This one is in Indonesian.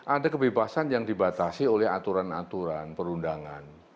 ada kebebasan yang dibatasi oleh aturan aturan perundangan